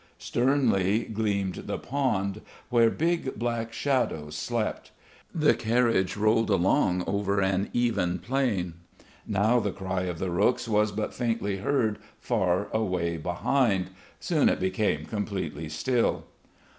Sternly gleamed the pond, where big black shadows slept. The carriage rolled along over an even plain. Now the cry of the rooks was but faintly heard far away behind. Soon it became completely still.